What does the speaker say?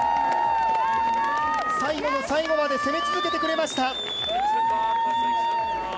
最後の最後まで攻め続けてくれました。